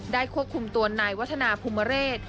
ได้ควบคุมตัวในวัฒนาภูมิเรศ